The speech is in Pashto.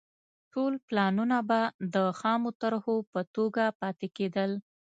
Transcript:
ټول پلانونه به د خامو طرحو په توګه پاتې کېدل.